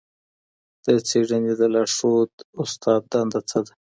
د څېړني د لارښود استاد دنده څه ده؟